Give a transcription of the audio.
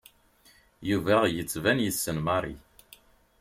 Yuba yettban yessen Mary.